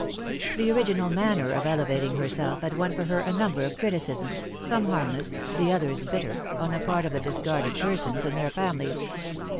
This original manner of elevating herself had won for her a number of criticisms, some harmless, the others bitter, on the part of the discarded persons and their families.